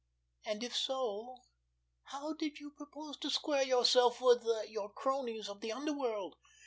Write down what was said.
And, if so, how did you propose to square yourself with your cronies of the underworld?"